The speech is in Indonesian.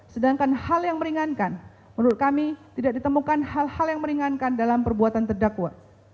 sedangkan hal yang meringankan menurut kami tidak ditemukan hal hal yang meringankan dalam perbuatan terdakwa